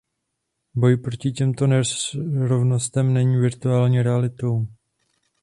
Boj proti těmto nerovnostem není virtuální realitou.